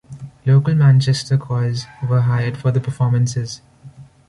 Local Manchester choirs were hired for the performances.